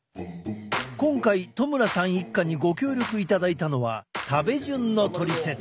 今回戸村さん一家にご協力いただいたのは食べ順のトリセツ！